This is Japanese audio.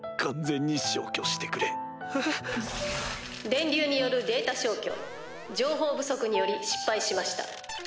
「電流によるデータ消去情報不足により失敗しました。